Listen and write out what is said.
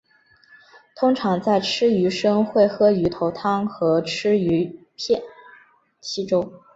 通常在吃鱼生会喝鱼头汤和吃鱼片稀粥。